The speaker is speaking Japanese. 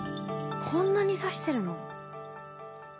こんなに刺してるの？